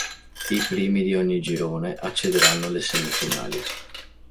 I primi di ogni girone accederanno alle semifinali.